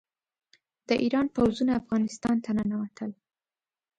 د ایران پوځونه افغانستان ته ننوتل.